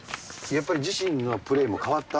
やっぱり自身のプレーも変わった？